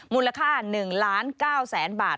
มูลค่า๑ล้าน๙แสนบาท